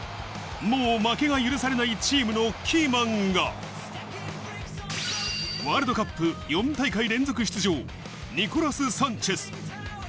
もう負けが許されないチームのキーマンがワールドカップ４大会連続出場、ニコラス・サンチェス。